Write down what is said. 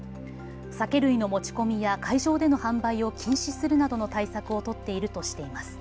酒類の持ち込みや会場での販売を禁止するなどの対策を取っているとしています。